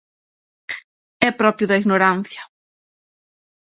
É propio da ignorancia.